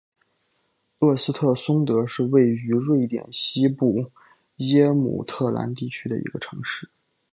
厄斯特松德是位于瑞典西部耶姆特兰地区的一个城市。